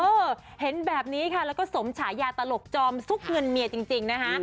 เห็นแบบนี้ค่ะแล้วก็สมฉายาตลกจอมซุกเงินเมียจริงนะคะ